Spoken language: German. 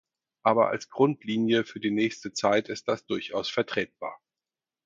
Aber als Grundlinie für die nächste Zeit ist das durchaus vertretbar.